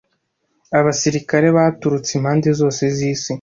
abasirikare baturutse impande zose z'isi